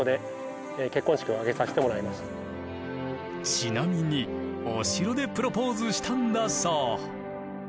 ちなみにお城でプロポーズしたんだそう。